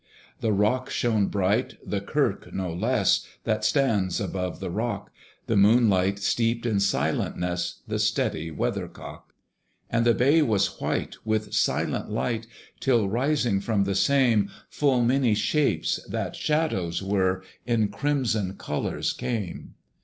The rock shone bright, the kirk no less, That stands above the rock: The moonlight steeped in silentness The steady weathercock. And the bay was white with silent light, Till rising from the same, Full many shapes, that shadows were, In crimson colours came.